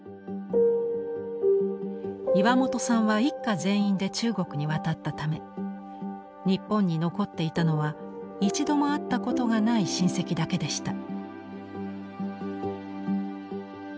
岩本さんは一家全員で中国に渡ったため日本に残っていたのは一度も会ったことがない親戚だけでした。